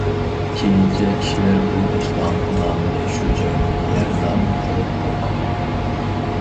كېيىنچە كىشىلەر بۇ ئۆستەڭنىڭ نامىنى شۇ جاينىڭ يەر نامى قىلىپ قوللانغان.